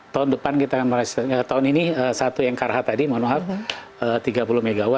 tahun depan kita akan merealisasikan tahun ini satu yang karhat tadi manohar tiga puluh mw